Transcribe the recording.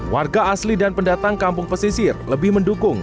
warga asli dan pendatang kampung pesisir lebih mendukung